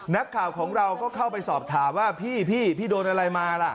นักข่าวของเราก็เข้าไปสอบถาม